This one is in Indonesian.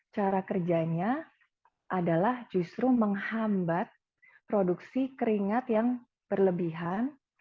cara kerjanya adalah justru menghambat produksi keringat yang berlebihan